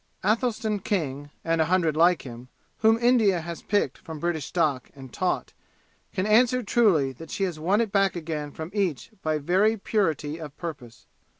Athelstan King and a hundred like him whom India has picked from British stock and taught, can answer truly that she has won it back again from each by very purity of purpose.